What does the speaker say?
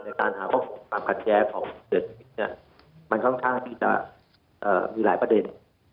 สิ่งที่เราก็ความขัดแจังของเดือนนี้มีหลายประเด็น